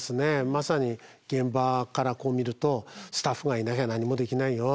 まさに現場からこう見るとスタッフがいなきゃ何もできないよと。